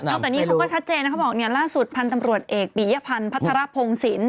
เอาแต่นี่เขาก็ชัดเจนนะเขาบอกเนี่ยล่าสุดพันธุ์ตำรวจเอกปียพันธ์พัทรพงศิลป